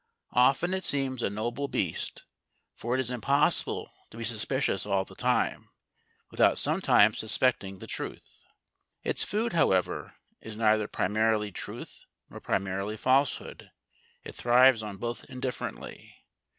Often it seems a noble beast, for it is impossible to be suspicious all the time without sometimes suspecting the truth. Its food, however, is neither primarily truth nor primarily falsehood; it thrives on both indifferently.